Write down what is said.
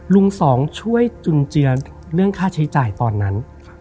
สองช่วยจุนเจือเรื่องค่าใช้จ่ายตอนนั้น